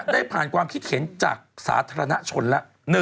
ได้ผ่านความคิดเห็นจากสาธารณชนแล้ว